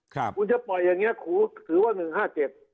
ครับคุณจะปล่อยอย่างเงี้ครูถือว่าหนึ่งห้าเจ็ด